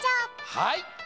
はい！